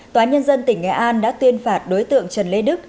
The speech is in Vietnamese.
tòa nhân dân tỉnh nghệ an đã tuyên phạt đối tượng trần lê đức